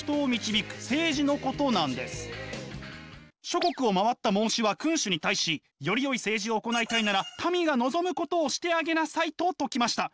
諸国を回った孟子は君主に対し「よりよい政治を行いたいなら民が望むことをしてあげなさい」と説きました。